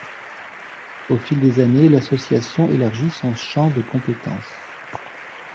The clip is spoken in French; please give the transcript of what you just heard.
Au fil des années, l'association élargit son champ de compétence.